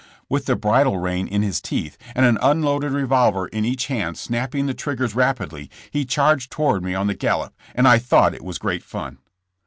With the bridle rein in his teeth, and an unloaded revolver in each hand snapping the triggers rapidly, he charged toward me on the gallop, and I thought it was great fun.